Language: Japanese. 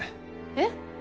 えっ？